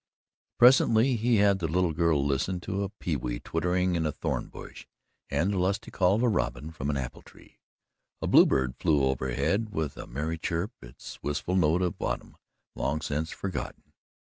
Presently he had the little girl listen to a pewee twittering in a thorn bush and the lusty call of a robin from an apple tree. A bluebird flew over head with a merry chirp its wistful note of autumn long since forgotten.